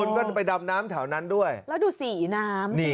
คุณก็จะไปดำน้ำแถวนั้นด้วยแล้วดูสีน้ำนี่